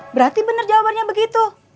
berarti bener jawabannya begitu